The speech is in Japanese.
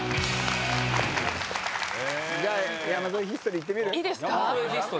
「山添ヒストリー」行ってみる？